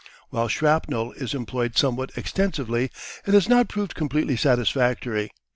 While shrapnel is employed somewhat extensively it has not proved completely satisfactory.